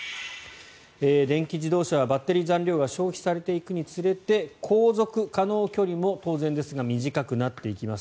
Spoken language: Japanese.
電気自動車はバッテリー残量が消費されていくにつれて航続可能距離も当然ですが短くなっていきます。